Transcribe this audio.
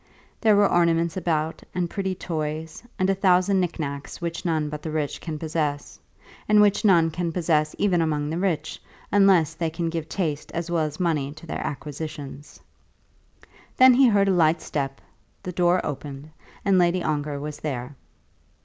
There were ornaments about, and pretty toys, and a thousand knickknacks which none but the rich can possess, and which none can possess even among the rich unless they can give taste as well as money to their acquisition. Then he heard a light step; the door opened, and Lady Ongar was there.